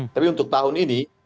tapi untuk tahun ini